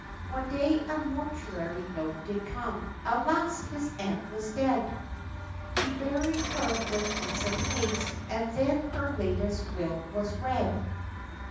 One day a mortuary note did come alas! his aunt was dead! He buried her with decent haste, and then her latest will was read.